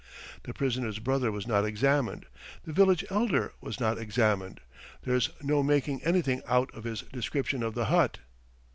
The prisoner's brother was not examined, the village elder was not examined, there's no making anything out of his description of the hut.